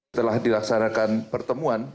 setelah dilaksanakan pertemuan